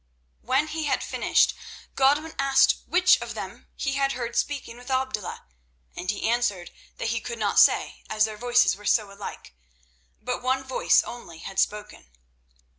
When he had finished Godwin asked which of them he had heard speaking with Abdullah, and he answered that he could not say, as their voices were so alike, but one voice only had spoken.